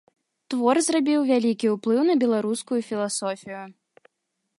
Твор зрабіў вялікі ўплыў на беларускую філасофію.